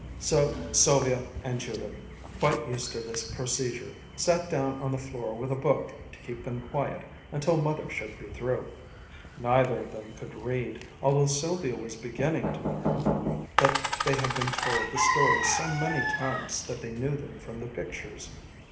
So Sylvia and Judith, quite used to this procedure, sat down on the floor with a book to keep them quiet until Mother should be through. Neither of them could read, although Sylvia was beginning to learn, but they had been told the stories so many times that they knew them from the pictures.